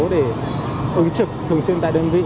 để ứng trực thường xuyên tại đơn vị